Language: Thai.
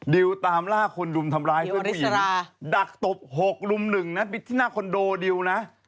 ดักตบ๖รุม๑นะบิดที่หน้าคอนโดดิวนะ